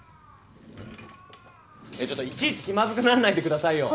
えっちょっといちいち気まずくなんないでくださいよ。